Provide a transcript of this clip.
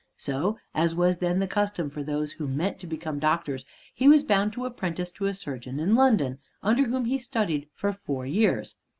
So, as was then the custom for those who meant to become doctors, he was bound apprentice to a surgeon in London, under whom he studied for four years.